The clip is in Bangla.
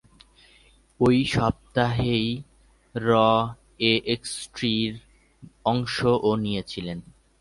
ঐ সপ্তাহেই র এনএক্সটি-র অংশও নিয়েছিলেন।